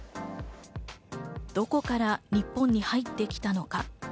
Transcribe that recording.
どこから日本に入ってきたのか。